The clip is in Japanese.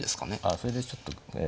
あそれでちょっとええ。